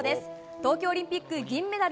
東京オリンピック銀メダル